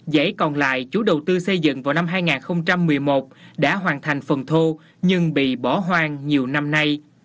giải còn lại chủ đầu tư xây dựng vào năm hai nghìn một mươi một đã hoàn thành phần thô nhưng bị bỏ hoang nhiều năm nay